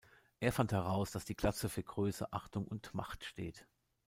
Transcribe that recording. Er fand heraus, dass die Glatze für Größe, Achtung und Macht steht.